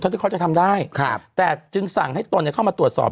เท่าที่เขาจะทำได้แต่จึงสั่งให้ตัวเข้ามาตรวจสอบ